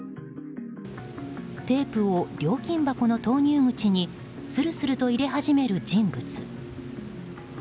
テープを料金箱の投入口にするすると入れ始める人物。